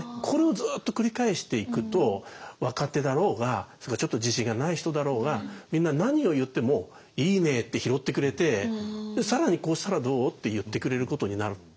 これをずっと繰り返していくと若手だろうがちょっと自信がない人だろうがみんな何を言ってもいいねって拾ってくれて更にこうしたらどうって言ってくれることになる。